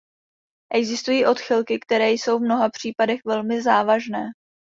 Existují odchylky, které jsou v mnoha případech velmi závažné.